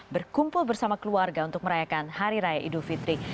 berkumpul bersama keluarga untuk merayakan hari raya idul fitri